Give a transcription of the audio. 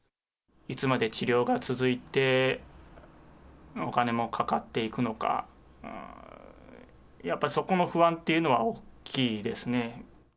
いつまで治療が続いて、お金もかかっていくのか、やっぱりそこの不安っていうのは大きいですね。